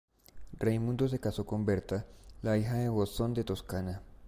Raimundo se casó con Berta, hija de Bosón de Toscana.